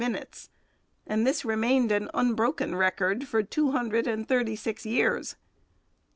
This remained an unbroken record for two hundred and thirty six years.